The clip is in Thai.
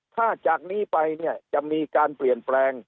ถ้าจากนี้ไปเนี่ยจะมีการเปลี่ยนแปลง